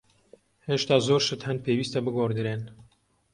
هێشتا زۆر شت هەن پێویستە بگۆڕدرێن.